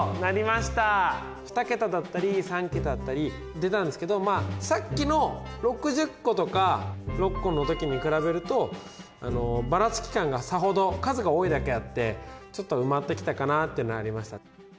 ２桁だったり３桁だったり出たんですけどまあさっきの６０個とか６個の時に比べるとばらつき感がさほど数が多いだけあってちょっと埋まってきたかなっていうのありました。